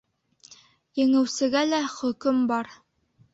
Еңеүсегә лә хөкөм бар.